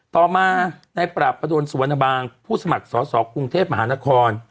ต่อมาในปราบประดนสุวรรณบางผู้สมัครสอสอกรุงเทพมหานคร